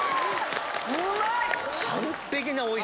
うまい！